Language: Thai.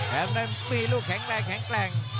นั้นมีลูกแข็งแรงแข็งแกร่ง